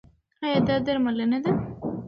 ایا دا درملنه ده؟